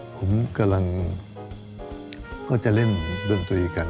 ผมกำลังก็จะเล่นดนตรีกัน